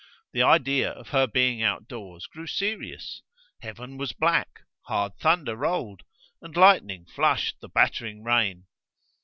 The idea of her being out of doors grew serious; heaven was black, hard thunder rolled, and lightning flushed the battering rain.